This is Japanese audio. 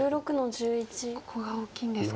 ここが大きいんですか。